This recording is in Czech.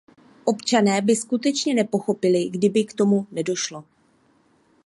Občané by skutečně nepochopili, kdyby k tomu nedošlo.